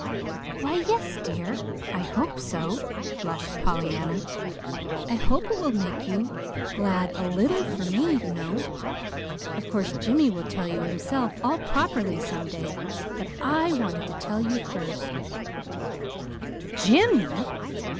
"Why, yes, dear; I hope so," blushed Pollyanna. "I hope it will make you GLAD, a little, for me, you know. Of course Jimmy will tell you himself all properly some day. But I wanted to tell you first." "Jimmy!"